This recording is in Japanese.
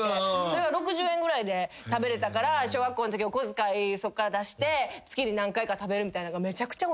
それが６０円ぐらいで食べれたから小学校んときお小遣いそっから出して月に何回か食べるみたいなんが。